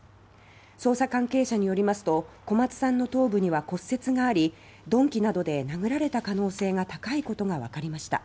捜査関係者によりますと小松さんの頭部には骨折があり鈍器などで殴られた可能性が高いことがわかりました。